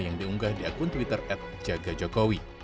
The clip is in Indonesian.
yang diunggah di akun twitter at jaga jokowi